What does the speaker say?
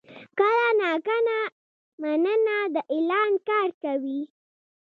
کله ناکله «مننه» د اعلان کار کوي.